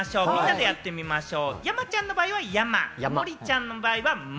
みんなでやってみましょう！